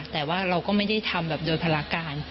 แต่ว่าเราก็ไม่ได้ทำแบบโดยภารการ